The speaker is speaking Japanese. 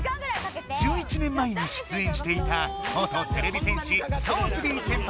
１１年前にしゅつえんしていた元てれび戦士ソーズビー先輩だ！